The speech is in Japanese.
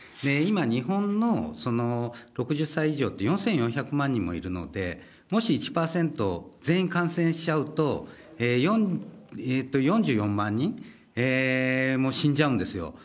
今、日本の６０歳以上って４４００万人もいるので、もし１％、全員感染しちゃうと、４４万人も死んじゃうんですよ。